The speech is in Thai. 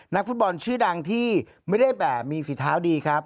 นักฟุตบอลชื่อดังที่ไม่ได้แบบมีฝีเท้าดีครับ